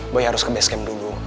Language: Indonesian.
gue harus ke base camp dulu